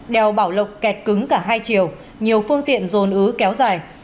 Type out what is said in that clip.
đèo bảo lộc kẹt cứng cả hai chiều nhiều phương tiện dồn ứ kéo dài